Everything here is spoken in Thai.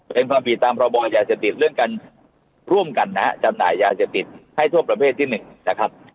เป็นความผิดตามพบยาเสพติดเรื่องการร่วมกันนะฮะจำหน่ายยาเสพติดให้โทษประเภทที่๑นะครับ